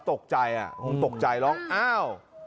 ตกใจอ่ะคงตกใจร้องอ้าว